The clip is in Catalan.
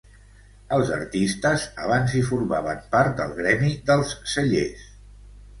Els artistes abans hi formaven part del gremi dels sellers.